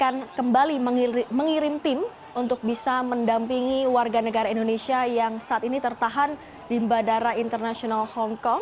yang menyampaikan bahwa saat ini pihak kjri akan kembali mengirim tim untuk bisa mendampingi warga negara indonesia yang saat ini tertahan di bandara internasional hongkong